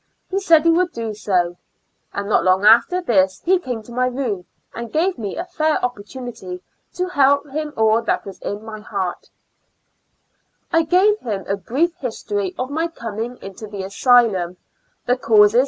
He said he would do so, IN A L UKA TIC A STL UM. ^ g 5 and not long after this he came to my room and gave me a fair opportunity to tell him all that was in my heart, I gave him a brief history of my coming into the asylum, the causes*?